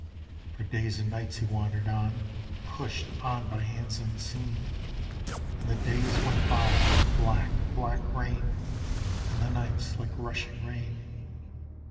For days and nights he wandered on, Pushed on by hands unseen. And the days went by like black, black rain, And the nights like rushing rain.